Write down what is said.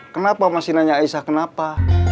kenapa masih nanya aisah kenapa